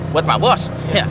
buat pak bos